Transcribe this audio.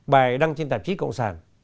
bài đăng trên tạp chí cộng sản